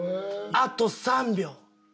あと３秒。